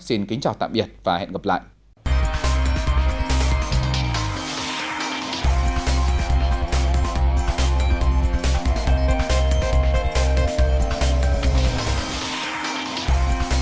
xin kính chào tạm biệt và hẹn gặp lại